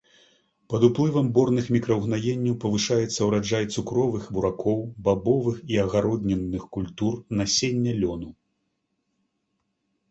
Пад уплывам борных мікраўгнаенняў павышаецца ўраджай цукровых буракоў, бабовых і агароднінных культур, насення лёну.